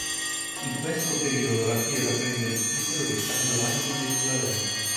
In questo periodo la chiesa prende il titolo di "San Giovanni di Gerusalemme".